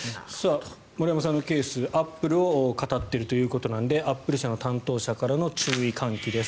森山さんのケースアップルをかたっているということなのでアップル社の担当者からの注意喚起です。